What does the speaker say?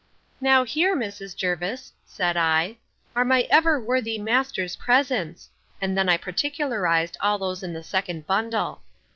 Now here, Mrs. Jervis, said I, are my ever worthy master's presents; and then I particularised all those in the second bundle.